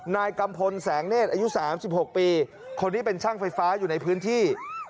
นายกัมพลแสงเนธอายุ๓๖ปีคนนี้เป็นช่างไฟฟ้าอยู่ในพื้นที่